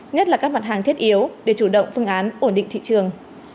nhất là các mặt hàng thiết yếu để chủ động phương án ổn định thị trường